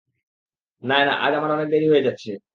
নায়না, আজ আমার অনেক দেরি হয়ে যাচ্ছে।